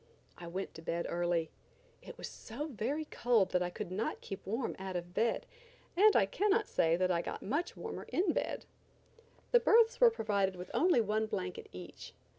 I went to bed early. It was so very cold that I could not keep warm out of bed, and I cannot say that I got much warmer in bed. The berths were provided with only one blanket each.